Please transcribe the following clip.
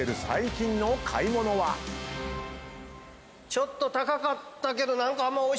ちょっと高かったけど何かあんま。